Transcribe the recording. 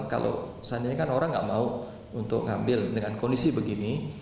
kalau seandainya kan orang nggak mau untuk ngambil dengan kondisi begini